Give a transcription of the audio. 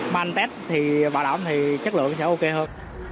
mà anh test thì bảo đảm thì chất lượng sẽ ok hơn